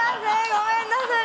ごめんなさい。